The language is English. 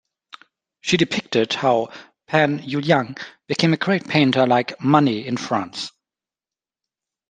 She depicted how Pan Yuliang became a great painter like Manet in France.